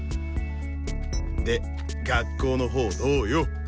で学校のほうどうよ？